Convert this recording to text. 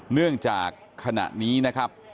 เนื่องจากขณะนี้นะครับ